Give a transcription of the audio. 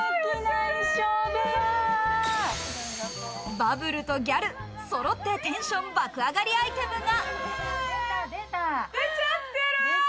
バブルとギャル、揃ってテンション爆上がりアイテムが。